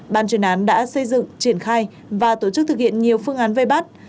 ban chuyên án đã xây dựng triển khai và tổ chức thực hiện nhiều phương án vây bắt